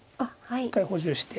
一回補充して。